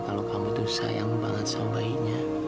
kalau kamu tuh sayang banget sama bayinya